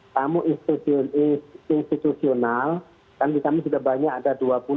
tamu institusional kan di kami sudah banyak ada dua puluh dua puluh lima